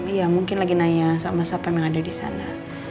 iya mungkin lagi nanya sama satpam yang ada di sana